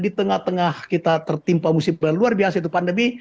di tengah tengah kita tertimpa musim luar biasa itu pandemi